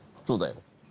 そうだよ。